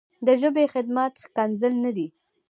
د ژبې خدمت ښکنځل نه دي.